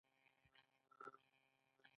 دوی وايي زموږ خوښېږي چې صنعت پرمختګ وکړي